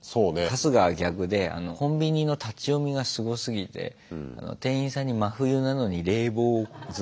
春日は逆でコンビニの立ち読みがすごすぎて店員さんに真冬なのに冷房をずっと当てられて店から。